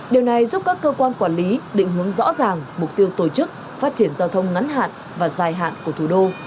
điều này giúp các cơ quan quản lý định hướng rõ ràng mục tiêu tổ chức phát triển giao thông ngắn hạn và dài hạn của thủ đô